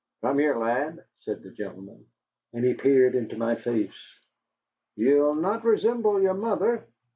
"Come here, lad," said the gentleman, and he peered into my face. "You'll not resemble your mother."